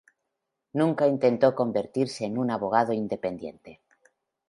Nunca intentó convertirse en un abogado independiente.